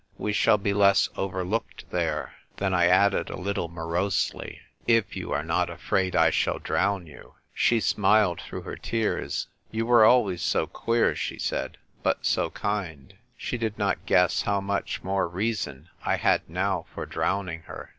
" We shall be less overlooked there." Then I added a little morosely, " If you are not afraid I shall drown you." She smiled through her tears. " You were always so queer," she said, " but so kind." Q 234 THE TYPE WRITER GIKL. She did not guess how much more reason I had now for drowning her.